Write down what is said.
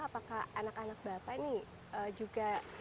apakah anak anak bapak ini juga